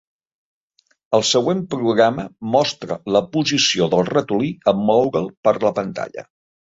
El següent programa mostra la posició del ratolí en moure'l per la pantalla.